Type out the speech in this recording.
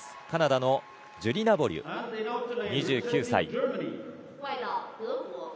カナダのジェリナ・ボーリウ、２９歳。